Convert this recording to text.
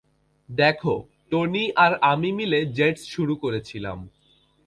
দেখ, টনি আর আমি মিলে জেটস শুরু করেছিলাম।